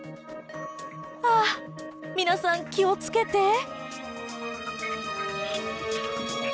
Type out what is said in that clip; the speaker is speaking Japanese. あ皆さん気を付けて。